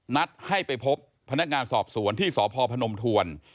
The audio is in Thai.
นัดให้ไปพบพนักงานสอบสวนที่สพพนมทวน